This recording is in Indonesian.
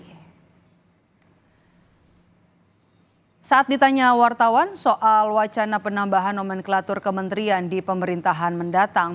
hai saat ditanya wartawan soal wacana penambahan nomenklatur kementerian di pemerintahan mendatang